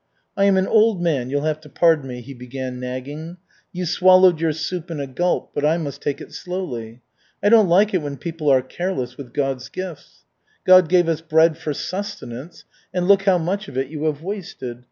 "I am an old man, you'll have to pardon me," he began nagging, "you swallowed your soup in a gulp, but I must take it slowly. I don't like it when people are careless with God's gifts. God gave us bread for sustenance, and look how much of it you have wasted.